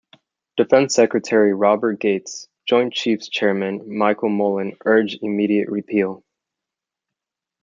Defense Secretary Robert Gates, Joint Chiefs Chairman Michael Mullen urged immediate repeal.